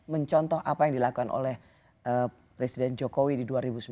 mencontoh apa yang dilakukan oleh presiden jokowi di dua ribu sembilan belas